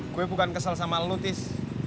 gue bukan kesel sama lo tis